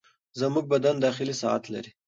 زموږ بدن داخلي ساعت لري.